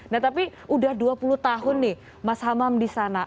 nah tapi udah dua puluh tahun nih mas hamam di sana